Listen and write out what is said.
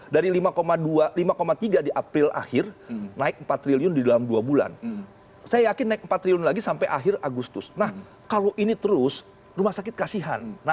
depisi dua ribu sembilan belas pemerintah